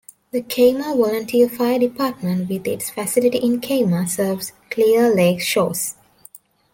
The Kemah Volunteer Fire Department, with its facility in Kemah, serves Clear Lake Shores.